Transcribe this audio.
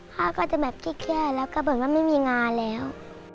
พ่อก็จะแบบเครียดแล้วก็เหมือนว่าไม่มีงานแล้ว